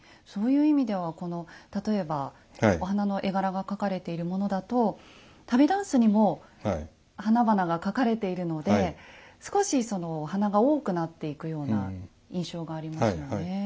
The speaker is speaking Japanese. そういう意味ではこの例えばお花の絵柄が描かれているものだと旅箪笥にも花々が描かれているので少しお花が多くなっていくような印象がありますよね。